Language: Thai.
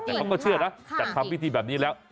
แต่เขาก็เชื่อนะจัดทำพิธีแบบนี้แล้ว